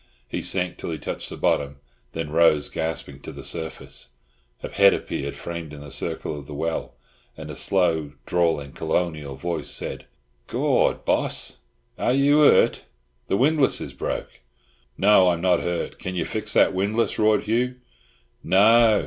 He sank till he touched the bottom, then rose gasping to the surface. A head appeared, framed in the circle of the well, and a slow, drawling colonial voice said: "Gord! boss, are you hurt? The windlass is broke." "No, I'm not hurt. Can't you fix that windlass?" roared Hugh. "No!"